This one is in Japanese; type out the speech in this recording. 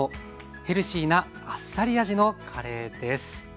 ヘルシーなあっさり味のカレーです。